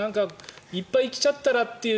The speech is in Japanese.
いっぱい来ちゃったらという。